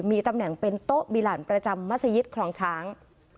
มีตำแหน่งเป็นโต๊ะบิลันประจำมัศยิตคลองช้าง